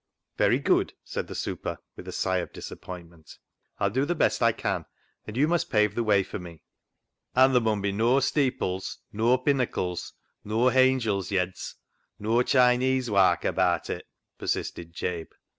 " Very good," said the " super," with a sigh of disappointment. " I'll do the best I can, and you must pave the way for me." 3IO CLOG SHOP CHRONICLES " An' ther' mun be noa steeples, nur pinnacles, nur hangels' yeds, nur Chineese wark abaat it," persisted Jabe.